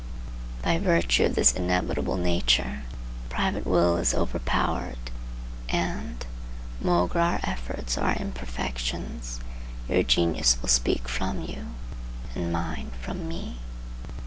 By virtue of this inevitable nature, private will is overpowered, and, maugre our efforts or our imperfections, your genius will speak from you, and mine from me.